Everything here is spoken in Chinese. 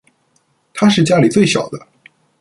她是家里最小的。